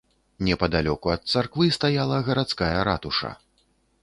Непадалёку ад царквы стаяла гарадская ратуша.